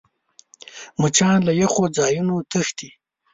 مچان له یخو ځایونو تښتي